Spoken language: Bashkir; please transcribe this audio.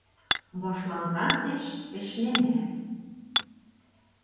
Башланған эш эшләнә.